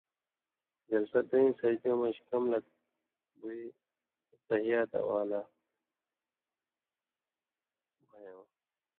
جلسہ (دُوئیں سجدیوں مَن٘ژ کَم لَک بُوئی التَّحِیَّاتاں ول لا بھَہ یٶں